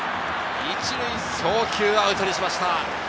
１塁送球、アウトにしました。